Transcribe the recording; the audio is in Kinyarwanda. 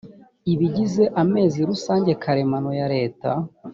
ibigize amazi rusange karemano ya leta